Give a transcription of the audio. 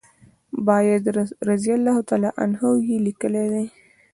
باید رضی الله عنهما یې لیکلي وای.